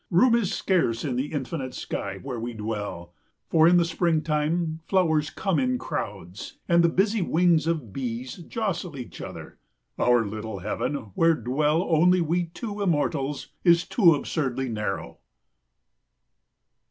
Room is scarce in the infinite sky where we dwell. For in the springtime flowers come in crowds, and the busy wings of bees jostle each other. Our little heaven, where dwell only we two immortals, is too absurdly narrow.